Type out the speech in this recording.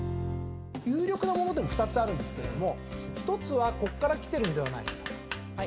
有力なもので２つあるんですけれども１つはここから来てるんではないかと。